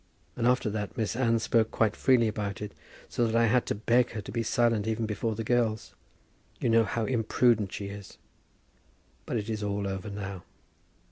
And after that Miss Anne spoke quite freely about it, so that I had to beg her to be silent even before the girls. You know how imprudent she is. But it is all over now.